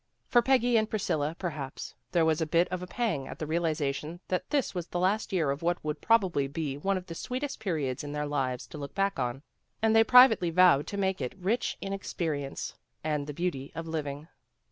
For Peggy and Priscilla, perhaps, there was a bit of a pang at the realization that this was the last year of what would probably be one of the sweetest periods in their lives to look back on ; and they privately vowed to make it rich in experience and the beauty of living.